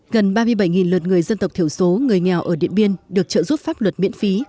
gần ba mươi bảy lượt người dân tộc thiểu số người nghèo ở điện biên được trợ giúp pháp luật miễn phí